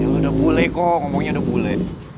ya lo udah bule kok ngomongnya udah bule